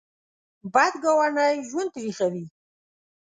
بد ګاونډی ژوند تریخوي